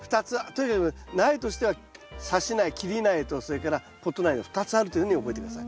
とにかく苗としてはさし苗切り苗とそれからポット苗の２つあるというふうに覚えて下さい。